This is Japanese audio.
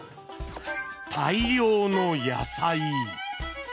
大量の野菜。